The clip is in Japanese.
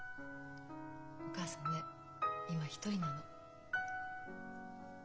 お母さんね今一人なの。